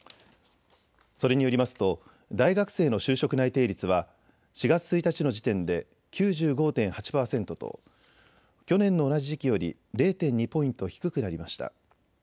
それによりますと大学生の就職内定率は４月１日の時点で９５．８％と去年の同じ時期より０．２ポイント低くなりました。